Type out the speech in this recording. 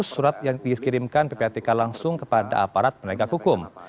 surat yang dikirimkan ppatk langsung kepada aparat penegak hukum